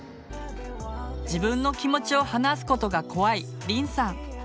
自分の気持ちを話すことが怖いりんさん。